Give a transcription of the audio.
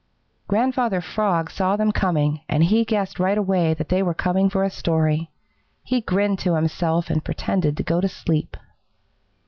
Grandfather Frog saw them coming, and he guessed right away that they were coming for a story. He grinned to himself and pretended to go to sleep.